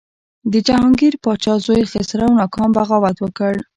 د جهانګیر پاچا زوی خسرو ناکام بغاوت وکړ.